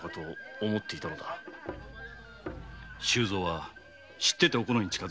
周蔵は知ってておこのに近づいたのです。